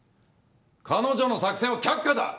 彼女の作戦は却下だ！